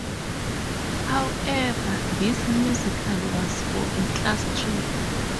However, this musical was for a class trip.